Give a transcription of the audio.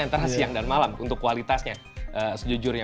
antara siang dan malam untuk kualitasnya sejujurnya